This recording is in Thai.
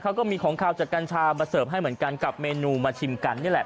เขาก็มีของขาวจากกัญชามาเสิร์ฟให้เหมือนกันกับเมนูมาชิมกันนี่แหละ